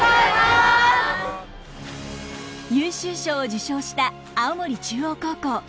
優秀賞を受賞した青森中央高校。